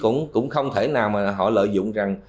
chứ cũng không thể nào họ lợi dụng